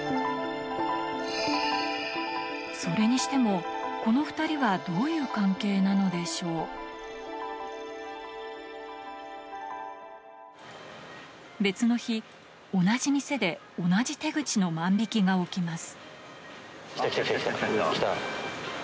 それにしてもこの別の日同じ店で同じ手口の万引きが起きます